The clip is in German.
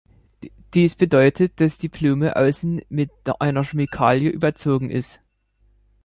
Dies bedeutet, dass die Blume außen mit einer Chemikalie überzogen ist.